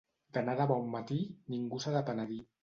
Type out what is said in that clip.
D'anar de bon matí, ningú s'ha de penedir.